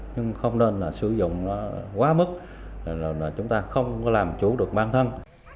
nhưng không nên là sử dụng nó quá mức là chúng ta không có làm chú được bản thân